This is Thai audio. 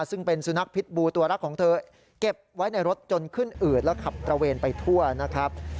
ซึ่งเป็นสุนัขพิษบูตัวรักของเธอเก็บไว้ในรถจนขึ้นอืดแล้วขับตระเวนไปทั่วนะครับ